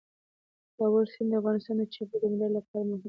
د کابل سیند د افغانستان د چاپیریال د مدیریت لپاره مهم دي.